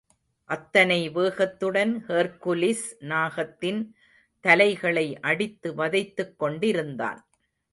அத்தனை வேகத்துடன் ஹெர்க்குலிஸ் நாகத்தின் தலைகளை அடித்து வதைத்துக்கொண்டிருந்தான்.